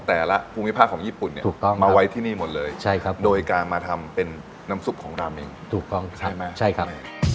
แต่ละภูมิภาคของญี่ปุ่นเนี่ยถูกต้องมาไว้ที่นี่หมดเลยใช่ครับโดยการมาทำเป็นน้ำซุปของราเมงถูกต้องใช่ไหมใช่ครับ